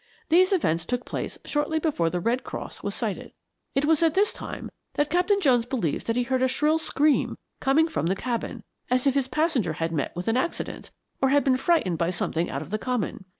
These events took place shortly before the Red Cross was sighted. "It was at this time that Captain Jones believes that he heard a shrill scream coming from the cabin, as if his passenger had met with an accident, or had been frightened by something out of the common.